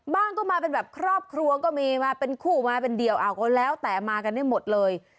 ก็มาเป็นแบบครอบครัวก็มีมาเป็นคู่มาเป็นเดียวก็แล้วแต่มากันได้หมดเลย